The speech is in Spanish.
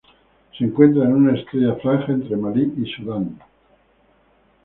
Se encuentra en una estrecha franja entre Malí y Sudán.